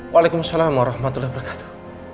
waalaikumsalam warahmatullahi wabarakatuh